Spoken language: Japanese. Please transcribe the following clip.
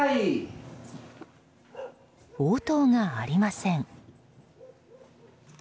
応答がありません。